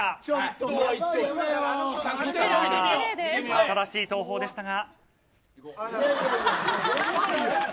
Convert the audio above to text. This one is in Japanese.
新しい投法でしたが。